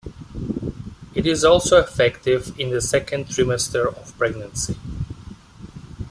It is also effective in the second trimester of pregnancy.